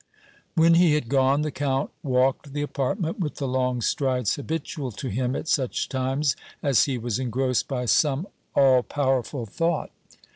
When he had gone, the Count walked the apartment with the long strides habitual to him at such times as he was engrossed by some all powerful thought.